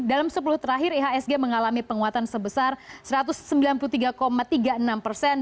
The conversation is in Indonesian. dalam sepuluh terakhir ihsg mengalami penguatan sebesar satu ratus sembilan puluh tiga tiga puluh enam persen